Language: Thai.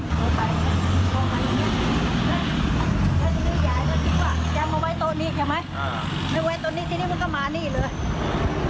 แกมาไว้ตรงนี้ใช่ไหมอ่าไม่ไว้ตรงนี้ทีนี้มันก็มานี่เลย